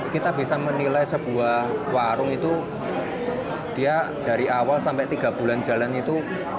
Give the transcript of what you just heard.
kita bisa menilai sebuah warung itu dia dari awal sampai tiga bulan jalan itu